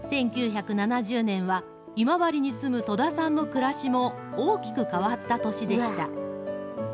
１９７０年は、今治に住む戸田さんの暮らしも大きく変わった年でした。